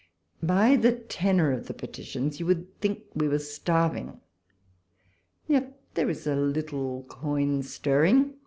By the tenor of the petitions you would think we were starving ; yet there is a little coin stir ring.